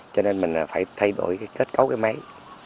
cho nên mình phải thay đổi kết cấu cái máy